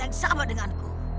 sangat yang sama denganku